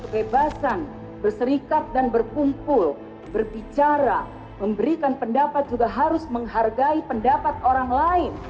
kebebasan berserikat dan berkumpul berbicara memberikan pendapat juga harus menghargai pendapat orang lain